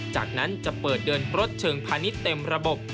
จากนั้นจะเปิดเดินรถเชิงพาณิชย์เต็มระบบ